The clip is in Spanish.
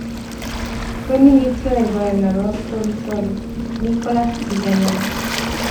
Fue ministro del gobernador provisorio Nicolás Villanueva.